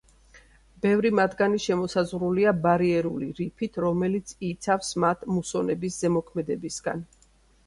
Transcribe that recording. ბევრი მათგანი შემოსაზღვრულია ბარიერული რიფით, რომელიც იცავს მათ მუსონების ზემოქმედებისგან.